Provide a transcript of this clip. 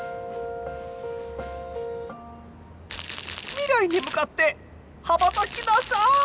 未来へ向かって羽ばたきなさい！